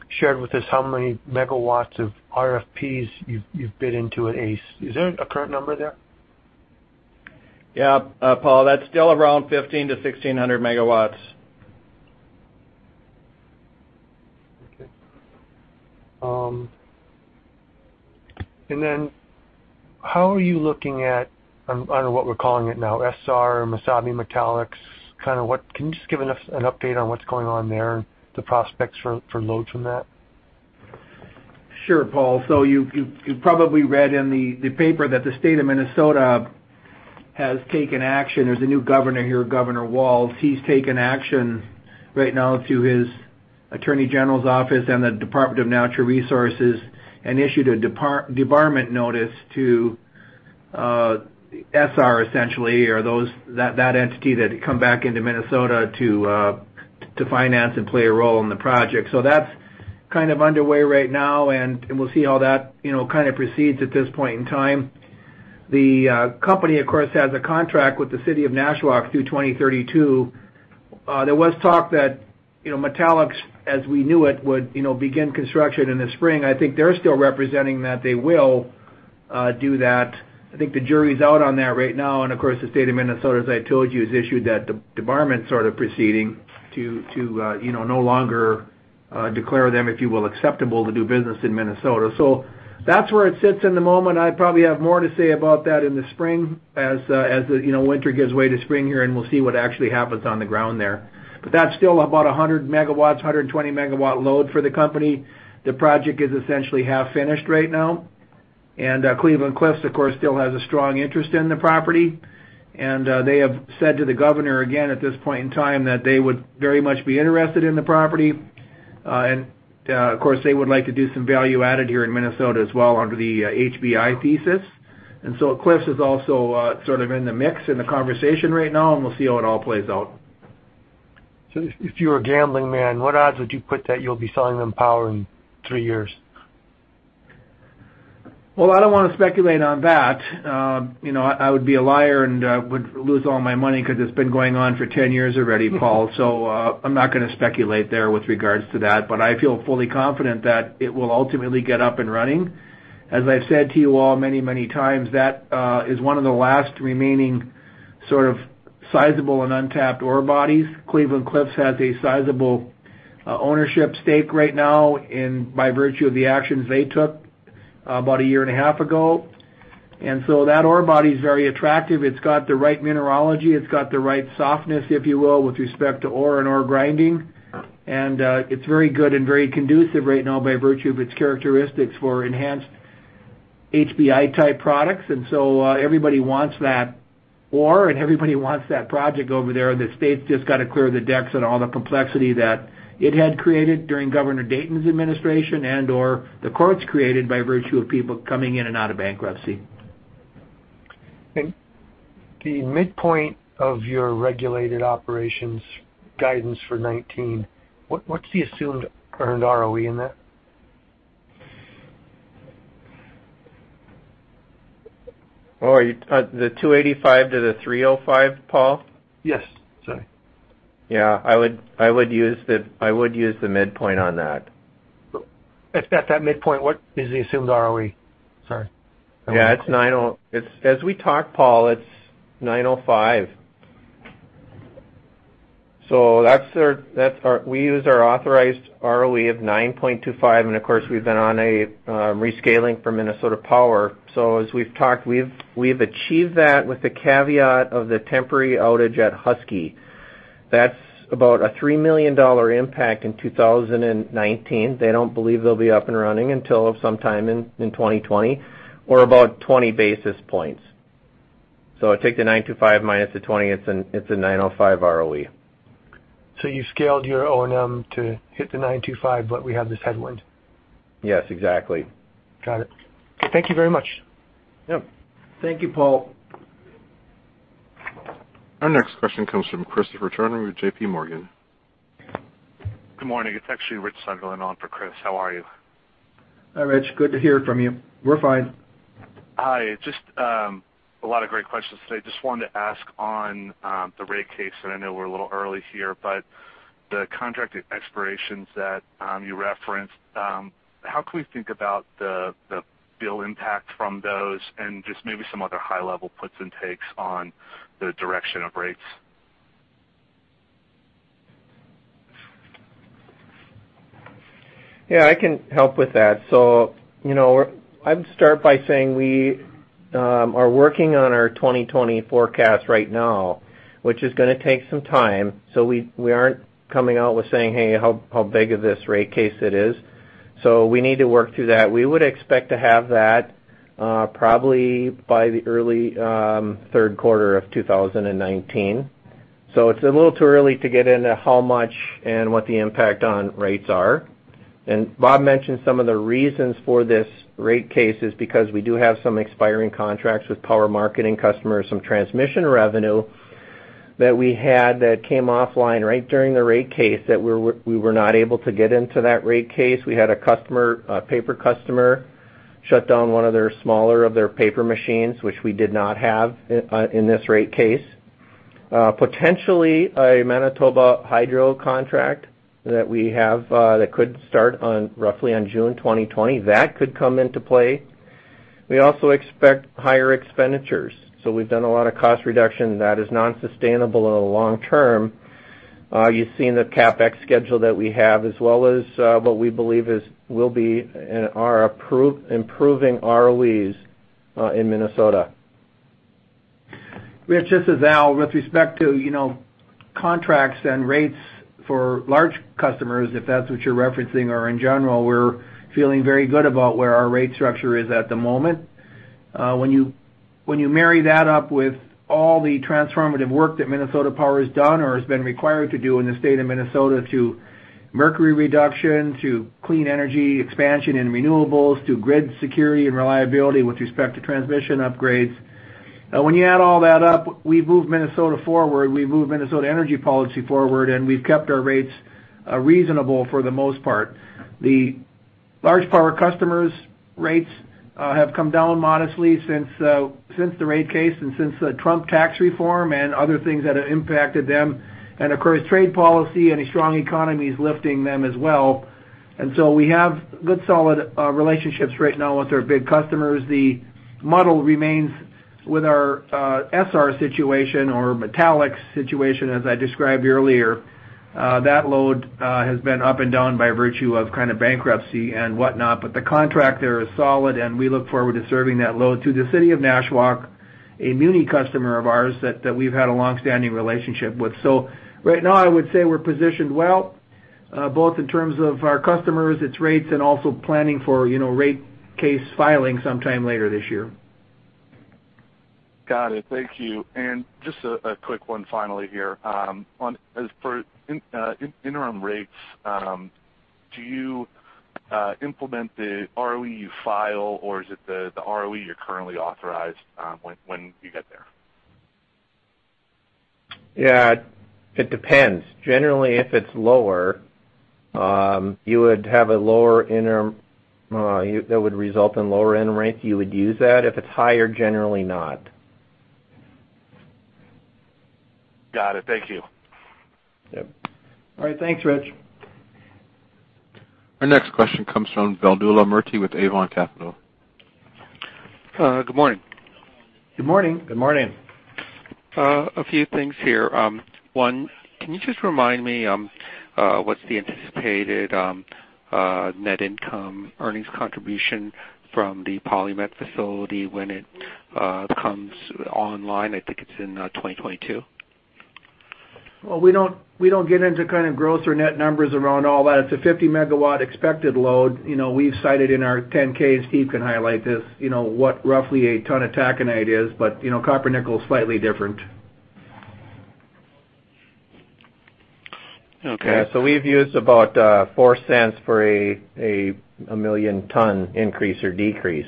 shared with us how many megawatts of RFPs you've bid into at ACE. Is there a current number there? Yeah. Paul, that's still around 15-1,600 megawatts. Okay. Then how are you looking at, I don't know what we're calling it now, Essar, Mesabi Metallics. Can you just give an update on what's going on there and the prospects for loads from that? Sure, Paul. You've probably read in the paper that the State of Minnesota has taken action. There's a new governor here, Governor Walz. He's taken action right now through his attorney general's office and the Department of Natural Resources, issued a debarment notice to Essar, essentially, or that entity that had come back into Minnesota to finance and play a role in the project. That's kind of underway right now, and we'll see how that kind of proceeds at this point in time. The company, of course, has a contract with the city of Nashwauk through 2032. There was talk that Metallics, as we knew it, would begin construction in the spring. I think they're still representing that they will do that. I think the jury's out on that right now. Of course, the State of Minnesota, as I told you, has issued that debarment sort of proceeding to no longer declare them, if you will, acceptable to do business in Minnesota. That's where it sits in the moment. I'd probably have more to say about that in the spring, as the winter gives way to spring here, we'll see what actually happens on the ground there. That's still about 100 megawatts, 120 megawatt load for the company. The project is essentially half-finished right now. Cleveland-Cliffs, of course, still has a strong interest in the property. They have said to the Governor again at this point in time, that they would very much be interested in the property. Of course, they would like to do some value added here in Minnesota as well under the HBI thesis. Cliffs is also sort of in the mix, in the conversation right now, and we'll see how it all plays out. If you were a gambling man, what odds would you put that you'll be selling them power in three years? I don't want to speculate on that. I would be a liar and would lose all my money because it's been going on for 10 years already, Paul. I'm not going to speculate there with regards to that. I feel fully confident that it will ultimately get up and running. I've said to you all many times, that is one of the last remaining sort of sizable and untapped ore bodies. Cleveland-Cliffs has a sizable ownership stake right now by virtue of the actions they took about a year and a half ago. That ore body is very attractive. It's got the right mineralogy. It's got the right softness, if you will, with respect to ore and ore grinding. It's very good and very conducive right now by virtue of its characteristics for enhanced HBI-type products. Everybody wants that ore, and everybody wants that project over there, and the state's just got to clear the decks on all the complexity that it had created during Governor Dayton's administration and/or the courts created by virtue of people coming in and out of bankruptcy. The midpoint of your regulated operations guidance for 2019, what's the assumed earned ROE in that? Oh, the 285 to the 305, Paul? Yes. Sorry. Yeah, I would use the midpoint on that. At that midpoint, what is the assumed ROE? Sorry. Yeah. As we talked, Paul, it's 9.05. We use our authorized ROE of 9.25, and of course, we've been on a rescaling for Minnesota Power. As we've talked, we've achieved that with the caveat of the temporary outage at Husky. That's about a $3 million impact in 2019. They don't believe they'll be up and running until sometime in 2020 or about 20 basis points. Take the 9.25 minus the 20, it's a 9.05 ROE. You scaled your O&M to hit the 9.25, but we have this headwind? Yes, exactly. Got it. Thank you very much. Yeah. Thank you, Paul. Our next question comes from Christopher Turner with JPMorgan. Good morning. It's actually Rich Seidler on for Chris. How are you? Hi, Rich. Good to hear from you. We're fine. Hi. A lot of great questions today. Wanted to ask on the rate case, and I know we're a little early here, but the contracted expirations that you referenced, how can we think about the bill impact from those and just maybe some other high-level puts and takes on the direction of rates? Yeah, I can help with that. I would start by saying we are working on our 2020 forecast right now, which is going to take some time. We aren't coming out with saying, "Hey, how big of this rate case it is." We need to work through that. We would expect to have that probably by the early third quarter of 2019. It's a little too early to get into how much and what the impact on rates are. Bob mentioned some of the reasons for this rate case is because we do have some expiring contracts with power marketing customers, some transmission revenue that we had that came offline right during the rate case that we were not able to get into that rate case. We had a paper customer shut down one of their smaller of their paper machines, which we did not have in this rate case. Potentially, a Manitoba Hydro contract that we have, that could start roughly on June 2020. That could come into play. We also expect higher expenditures. We've done a lot of cost reduction that is non-sustainable in the long term. You've seen the CapEx schedule that we have, as well as what we believe will be our improving ROEs in Minnesota. Rich, this is Al. With respect to contracts and rates for large customers, if that's what you're referencing, or in general, we're feeling very good about where our rate structure is at the moment. When you marry that up with all the transformative work that Minnesota Power has done or has been required to do in the state of Minnesota to mercury reduction, to clean energy expansion and renewables, to grid security and reliability with respect to transmission upgrades. When you add all that up, we move Minnesota forward, we move Minnesota energy policy forward, and we've kept our rates reasonable for the most part. The large power customers' rates have come down modestly since the rate case and since the Trump tax reform and other things that have impacted them. Of course, trade policy and a strong economy is lifting them as well. We have good, solid relationships right now with our big customers. The model remains with our Essar situation or Mesabi Metallics situation, as I described earlier. That load has been up and down by virtue of kind of bankruptcy and whatnot, but the contract there is solid, and we look forward to serving that load to the city of Nashwauk, a muni customer of ours that we've had a long-standing relationship with. Right now, I would say we're positioned well, both in terms of our customers, its rates, and also planning for rate case filing sometime later this year. Got it. Thank you. Just a quick one finally here. As for interim rates, do you implement the ROE you file, or is it the ROE you're currently authorized when you get there? Yeah, it depends. Generally, if it's lower, that would result in lower end rates, you would use that. If it's higher, generally not. Got it. Thank you. Yep. All right. Thanks, Rich. Our next question comes from Valluvan Murty with Avon Capital. Good morning. Good morning. Good morning. A few things here. One, can you just remind me what's the anticipated net income earnings contribution from the PolyMet facility when it comes online? I think it's in 2022. Well, we don't get into kind of gross or net numbers around all that. It's a 50-megawatt expected load. We've cited in our 10-K, and Steve can highlight this, what roughly a ton of taconite is, but copper nickel is slightly different. Okay. We've used about $0.04 for a 1 million ton increase or decrease.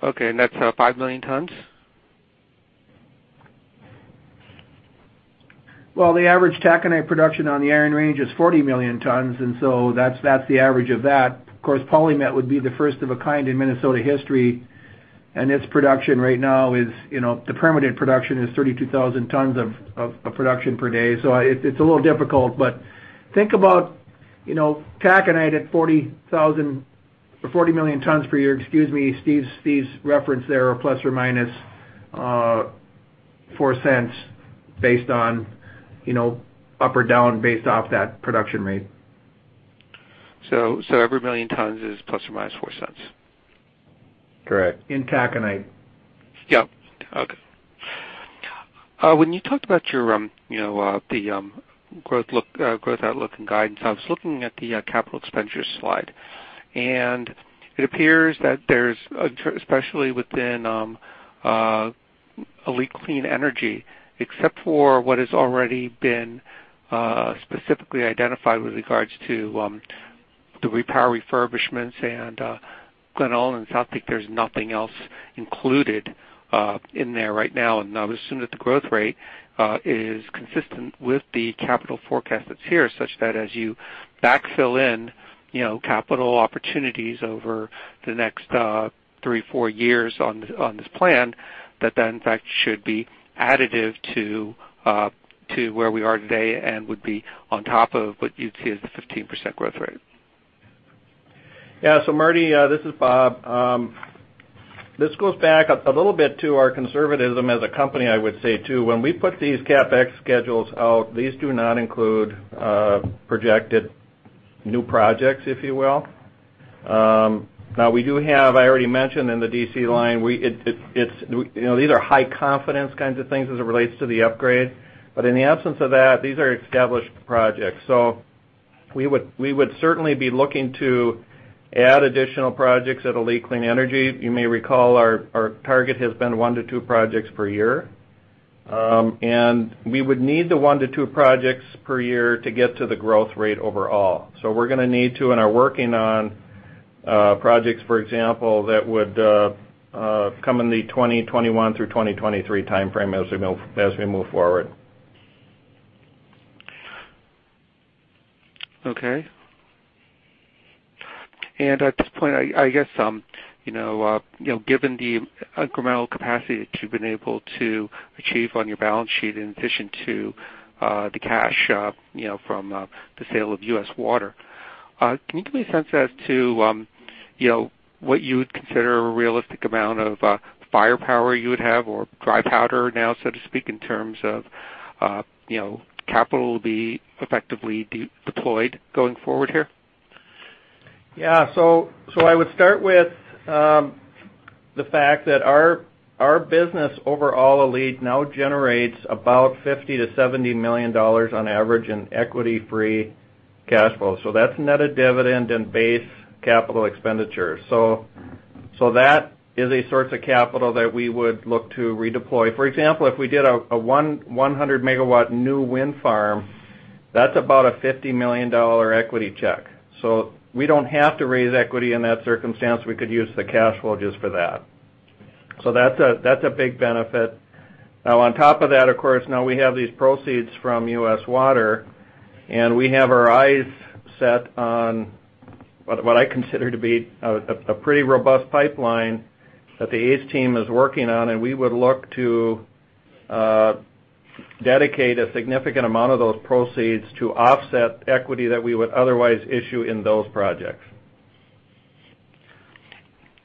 That's 5 million tons? The average taconite production on the Iron Range is 40 million tons, that's the average of that. Of course, PolyMet would be the first of a kind in Minnesota history, its production right now is, the permitted production is 32,000 tons of production per day. It's a little difficult, but think about taconite at 40 million tons per year. Excuse me, Steve's reference there, ±$0.04 based on up or down based off that production rate. Every 1 million tons is ±$0.04? Correct. In taconite. Yep. Okay. When you talked about the growth outlook, and guidance, I was looking at the capital expenditures slide, it appears that there's, especially within ALLETE Clean Energy, except for what has already been specifically identified with regards to the repower refurbishments and Glen Ullin and South Peak, there's nothing else included in there right now. I would assume that the growth rate is consistent with the capital forecast that's here, such that as you backfill in capital opportunities over the next three, four years on this plan, that that, in fact, should be additive to where we are today and would be on top of what you'd see as the 15% growth rate. Yeah. Murty, this is Bob. This goes back a little bit to our conservatism as a company, I would say, too. When we put these CapEx schedules out, these do not include projected new projects, if you will. We do have, I already mentioned in the DC line, these are high confidence kinds of things as it relates to the upgrade. In the absence of that, these are established projects. We would certainly be looking to add additional projects at ALLETE Clean Energy. You may recall our target has been one to two projects per year. We would need the one to two projects per year to get to the growth rate overall. We're going to need to, and are working on projects, for example, that would come in the 2021 through 2023 timeframe as we move forward. Okay. At this point, I guess, given the incremental capacity that you've been able to achieve on your balance sheet in addition to the cash from the sale of US Water, can you give me a sense as to what you would consider a realistic amount of firepower you would have or dry powder now, so to speak, in terms of capital to be effectively deployed going forward here? Yeah. I would start with the fact that our business overall, ALLETE, now generates about $50 million-$70 million on average in equity-free cash flow. That's net of dividend and base capital expenditure. That is a source of capital that we would look to redeploy. For example, if we did a 100-megawatt new wind farm, that's about a $50 million equity check. We don't have to raise equity in that circumstance. We could use the cash flow just for that. That's a big benefit. On top of that, of course, now we have these proceeds from US Water, we have our eyes set on what I consider to be a pretty robust pipeline that the ACE team is working on, and we would look to dedicate a significant amount of those proceeds to offset equity that we would otherwise issue in those projects.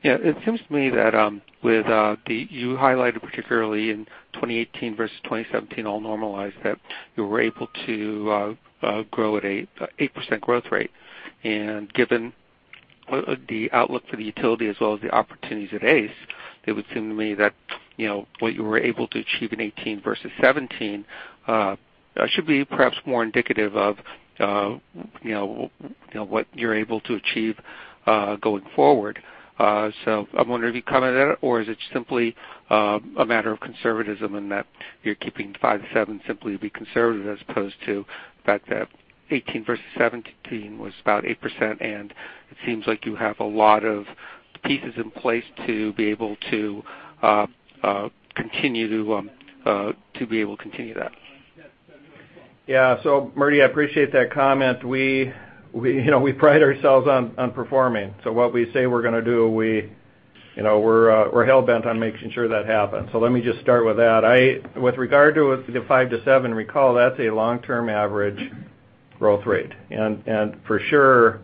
Yeah. You highlighted particularly in 2018 versus 2017, all normalized, that you were able to grow at an 8% growth rate. Given the outlook for the utility as well as the opportunities at ACE, it would seem to me that, what you were able to achieve in 2018 versus 2017, should be perhaps more indicative of what you're able to achieve going forward. I wonder if you comment on that, or is it simply a matter of conservatism in that you're keeping 5%-7% simply to be conservative, as opposed to the fact that 2018 versus 2017 was about 8%, it seems like you have a lot of pieces in place to be able to continue that. Yeah. Murty, I appreciate that comment. We pride ourselves on performing. What we say we're going to do, we're hell-bent on making sure that happens. Let me just start with that. With regard to the 5%-7%, recall, that's a long-term average growth rate. For sure,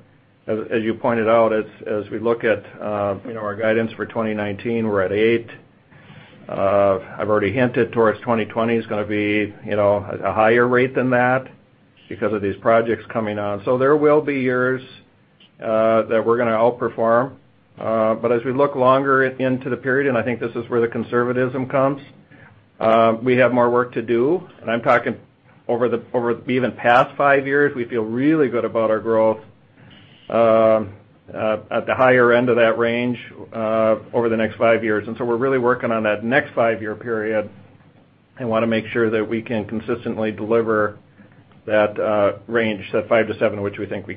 as you pointed out, as we look at our guidance for 2019, we're at 8%. I've already hinted towards 2020 is going to be a higher rate than that because of these projects coming on. There will be years that we're going to outperform. As we look longer into the period, I think this is where the conservatism comes, we have more work to do. I'm talking over the even past five years, we feel really good about our growth at the higher end of that range over the next five years. We're really working on that next five-year period and want to make sure that we can consistently deliver that range, that 5%-7%, which we think we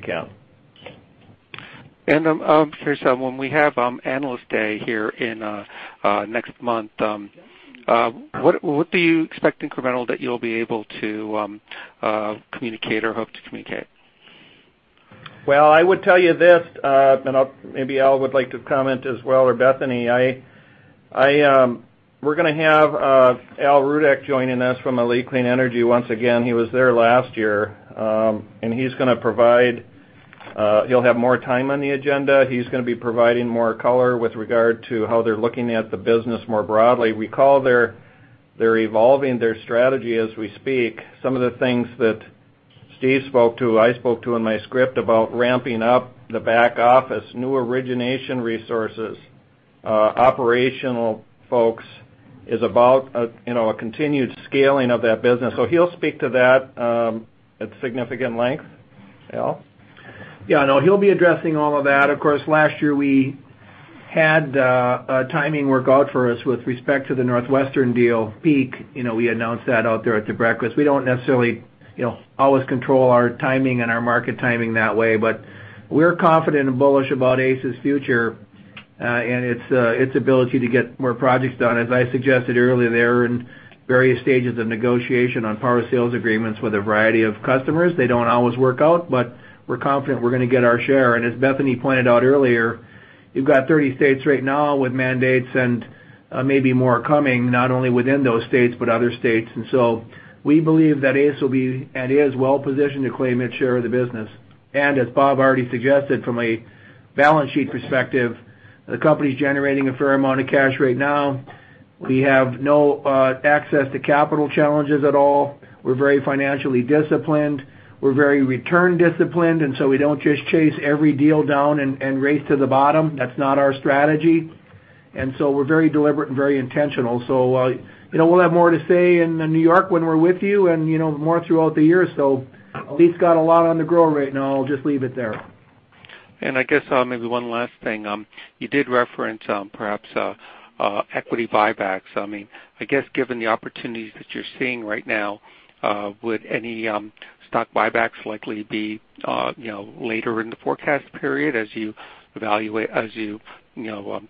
can. I'm curious, when we have Analyst Day here next month, what do you expect incremental that you'll be able to communicate or hope to communicate? Well, I would tell you this, and maybe Al would like to comment as well, or Bethany. We're going to have Al Rudeck joining us from ALLETE Clean Energy once again. He was there last year. He'll have more time on the agenda. He's going to be providing more color with regard to how they're looking at the business more broadly. Recall, they're evolving their strategy as we speak. Some of the things that Steve spoke to, I spoke to in my script about ramping up the back office, new origination resources, operational folks, is about a continued scaling of that business. He'll speak to that at significant length. Al? Yeah, no, he'll be addressing all of that. Of course, last year, we had timing work out for us with respect to the NorthWestern deal, Peak. We announced that out there at the breakfast. We don't necessarily always control our timing and our market timing that way. We're confident and bullish about ACE's future, and its ability to get more projects done. As I suggested earlier, they are in various stages of negotiation on power sales agreements with a variety of customers. They don't always work out, but we're confident we're going to get our share. As Bethany pointed out earlier, you've got 30 states right now with mandates and maybe more coming, not only within those states, but other states. We believe that ACE will be, and is, well positioned to claim its share of the business. As Bob already suggested, from a balance sheet perspective, the company's generating a fair amount of cash right now. We have no access to capital challenges at all. We're very financially disciplined. We're very return disciplined, we don't just chase every deal down and race to the bottom. That's not our strategy. We're very deliberate and very intentional. We'll have more to say in New York when we're with you, and more throughout the year. ALLETE's got a lot on the grow right now. I'll just leave it there. I guess maybe one last thing. You did reference perhaps equity buybacks. I guess given the opportunities that you're seeing right now, would any stock buybacks likely be later in the forecast period as you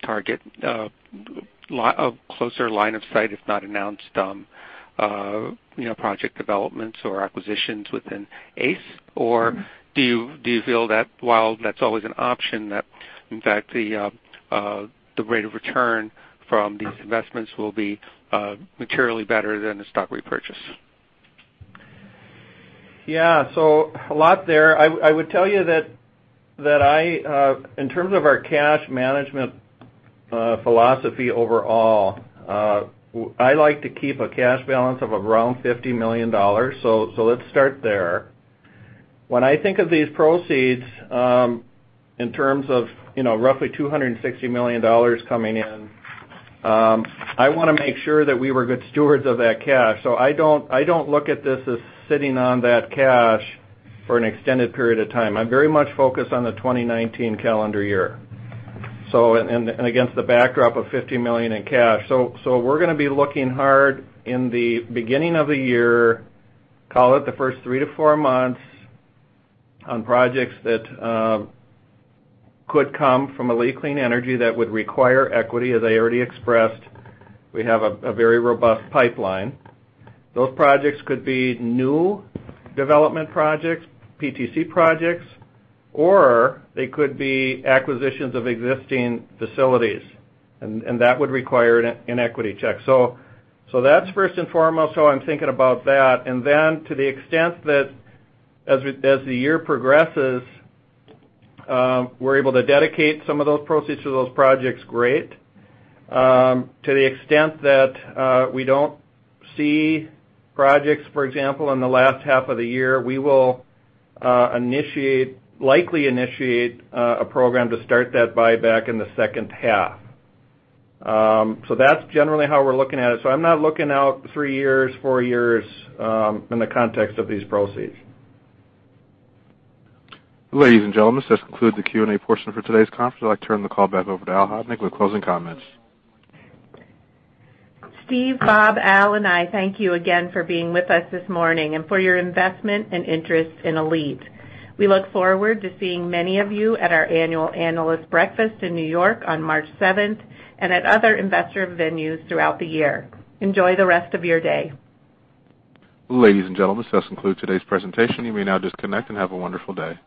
target a closer line of sight, if not announced project developments or acquisitions within ACE? Do you feel that while that's always an option, that in fact, the rate of return from these investments will be materially better than the stock repurchase? A lot there. I would tell you that in terms of our cash management philosophy overall, I like to keep a cash balance of around $50 million. Let's start there. When I think of these proceeds, in terms of roughly $260 million coming in, I want to make sure that we were good stewards of that cash. I don't look at this as sitting on that cash for an extended period of time. I'm very much focused on the 2019 calendar year. Against the backdrop of $50 million in cash. We're going to be looking hard in the beginning of the year, call it the first three to four months, on projects that could come from ALLETE Clean Energy that would require equity. As I already expressed, we have a very robust pipeline. Those projects could be new development projects, PTC projects, or they could be acquisitions of existing facilities, that would require an equity check. That's first and foremost how I'm thinking about that. To the extent that as the year progresses, we're able to dedicate some of those proceeds to those projects, great. To the extent that we don't see projects, for example, in the last half of the year, we will likely initiate a program to start that buyback in the second half. That's generally how we're looking at it. I'm not looking out three years, four years, in the context of these proceeds. Ladies and gentlemen, this concludes the Q&A portion for today's conference. I'd like to turn the call back over to Alan Hodnik with closing comments. Steve, Bob, Al, and I thank you again for being with us this morning and for your investment and interest in ALLETE. We look forward to seeing many of you at our annual analyst breakfast in New York on March 7th and at other investor venues throughout the year. Enjoy the rest of your day. Ladies and gentlemen, this concludes today's presentation. You may now disconnect and have a wonderful day.